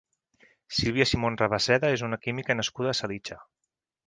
Sílvia Simon Rabasseda és una química nascuda a Salitja.